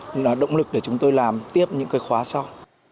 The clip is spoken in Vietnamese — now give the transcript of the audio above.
nên là động lực để chúng tôi làm tiếp những cái khóa sau